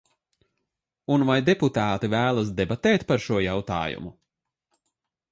Un vai deputāti vēlas debatēt par šo jautājumu?